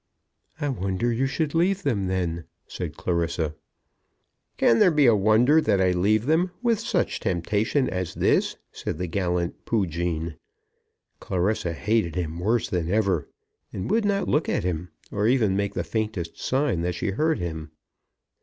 "I wonder you should leave them then," said Clarissa. "Can there be a wonder that I leave them with such temptation as this," said the gallant Poojean. Clarissa hated him worse than ever, and would not look at him, or even make the faintest sign that she heard him.